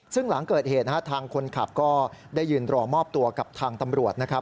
ซึ่งหลังเกิดเหตุนะฮะทางคนขับก็ได้ยืนรอมอบตัวกับทางตำรวจนะครับ